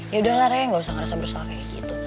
yaudah raya gak usah ngerasa bersalah kayak gitu